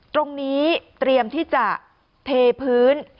ตรงนี้เตรียมที่จะเทพื้น